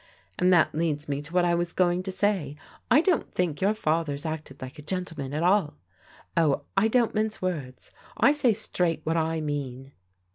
And that leads me to what I was going to say. I don't think your father's acted like a gentleman at all. Oh, I don't mince words, I say straight what I mean."